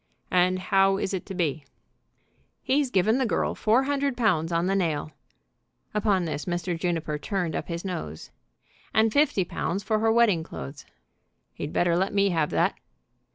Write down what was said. "And how is it to be?" "He's given the girl four hundred pounds on the nail," upon this Mr. Juniper turned up his nose, "and fifty pounds for her wedding clothes." "He'd better let me have that."